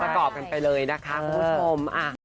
ประกอบกันไปเลยนะคะคุณผู้ชม